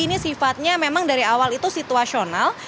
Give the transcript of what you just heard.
ini sifatnya memang dari awal itu situasional